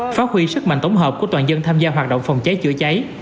phát huy sức mạnh tổng hợp của toàn dân tham gia hoạt động phòng cháy chữa cháy